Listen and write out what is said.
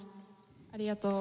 ありがとう。